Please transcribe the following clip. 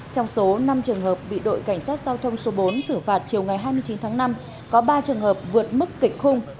trong số năm trường hợp bị đội cảnh sát giao thông số bốn xử phạt chiều ngày hai mươi chín tháng năm có ba trường hợp vượt mức kịch khung